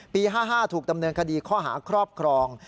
๕๕ถูกดำเนินคดีข้อหาครอบครอง